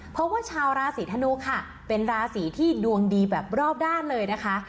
เพราะว่าชาวราศีธนูค่ะเป็นราศีที่ดวงดีแบบรอบด้านเลยนะคะ